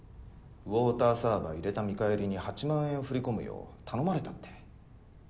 ウォーターサーバー入れた見返りに８万円振り込むよう頼まれたって。